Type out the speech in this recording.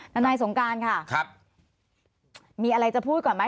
น้องนายสงการค่ะครับมีอะไรจะพูดก่อนไหม